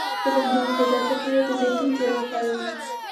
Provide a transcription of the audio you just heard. د بندونو درد لپاره د زیتون تېل وکاروئ